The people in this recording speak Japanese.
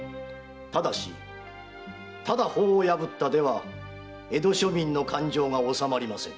ただしただ法を破ったでは江戸庶民の感情がおさまりませぬ。